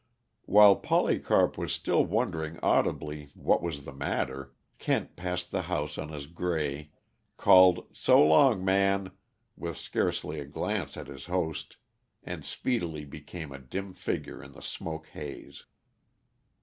While Polycarp was still wondering audibly what was the matter, Kent passed the house on his gray, called "So long, Man," with scarcely a glance at his host, and speedily became a dim figure in the smoke haze.